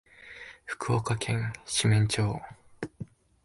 福岡県志免町